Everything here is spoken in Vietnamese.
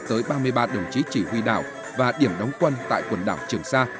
tới ba mươi ba đồng chí chỉ huy đảo và điểm đóng quân tại quần đảo trường sa